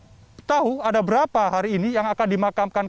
dan kita masih belum tahu ada berapa jenazah yang dimakamkan di kawasan ini